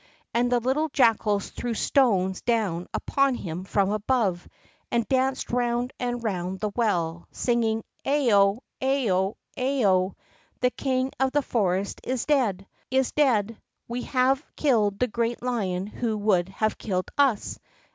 And the little jackals threw stones down upon him from above, and danced round and round the well, singing: "Ao! Ao! Ao! Ao! The king of the forest is dead, is dead! We have killed the great lion who would have killed us!